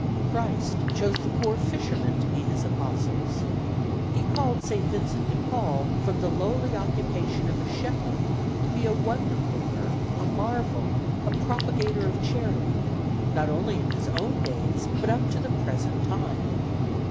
Christ chose the poor fishermen to be His Apostles. He called St. Vincent de Paul from the lowly occupation of a shepherd to be a wonder worker, a marvel, a propagator of charity, not only in his own days, but up to the present time.